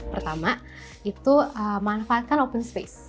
pertama itu manfaatkan open space